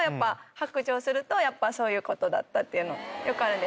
白状するとそういうことだったっていうのよくあるんで。